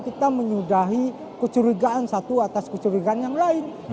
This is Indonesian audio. kita menyudahi kecurigaan satu atas kecurigaan yang lain